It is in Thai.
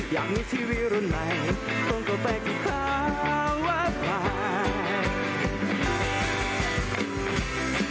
อยากมีทีวีรุ่นใหม่ต้องก่อไปกับภาวะภาค